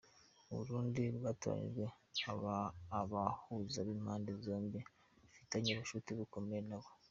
U Burundi bwatoranyije abahuza b’impande zombi bafitanye ubucuti bukomeye nabo.